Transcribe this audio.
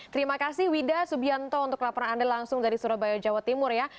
terima kasih wida subianto untuk laporan anda langsung dari surabaya jawa timur ya